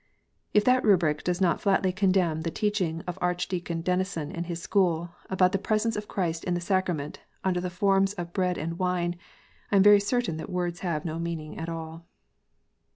If that rubric does not flatly condemn the teaching of Archdeacon Denison and his school, about the presence of Christ in the sacrament, under the forms of bread and wine, I am very certain that words have no meaning at all.